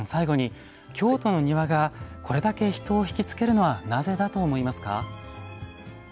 前田さん、最後に京都の庭がこれだけ気を引き付けるのはなぜだと思いますか？